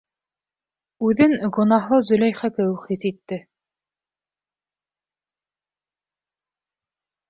Үҙен гонаһлы Зөләйха кеүек хис итте.